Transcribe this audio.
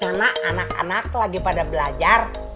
anak anak lagi pada belajar